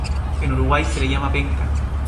En Uruguay se le llama penca.